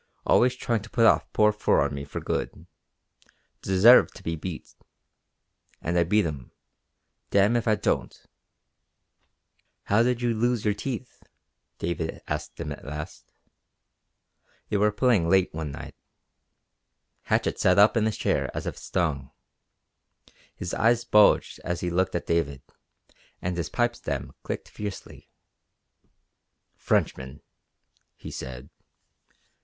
"Always trying to put off poor fur on me for good. Deserve to be beat. And I beat 'em. Dam if I don't." "How did you lose your teeth?" David asked him at last. They were playing late one night. Hatchett sat up in his chair as if stung. His eyes bulged as he looked at David, and his pipe stem clicked fiercely. "Frenchman," he said.